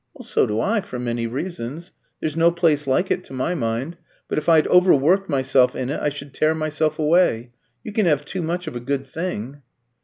"So do I for many reasons. There's no place like it, to my mind. But if I'd overworked myself in it, I should tear myself away. You can have too much of a good thing."